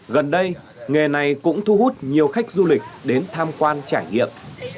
gần đây nghề này cũng thu hút nhiều khách du lịch đến tham quan trải nghiệm